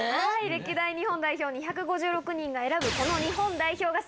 歴代日本代表２５６人が選ぶこの日本代表がスゴい！